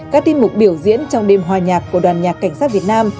các tin mục biểu diễn trong đêm hòa nhạc của đoàn nhạc cảnh sát việt nam